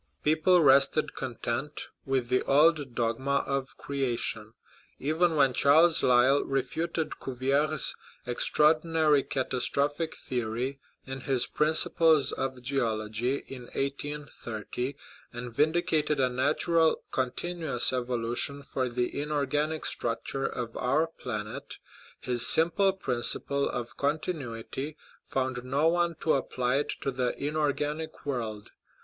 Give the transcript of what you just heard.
People rested content with the old dogma of creation. Even when Charles Lyell refuted Cuvier's extraordinary " catastrophic theory " in his Principles of Geology, in 1830, and vindicated a nat ural, continuous evolution for the inorganic structure of our planet, his simple principle of continuity found no one to apply it to the inorganic world.